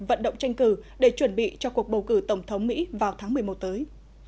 vận động tranh cử để chuẩn bị cho cuộc bầu cử tổng thống mỹ vào tháng một mươi một tới